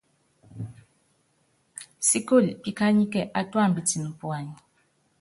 Síkoli píkányíkɛ átúámbitɛn puany.